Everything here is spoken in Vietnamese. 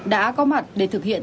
đã có mặt để thực hiện nhiệm vụ